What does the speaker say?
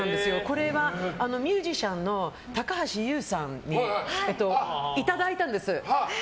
これはミュージシャンの高橋優さんにいただいたんです。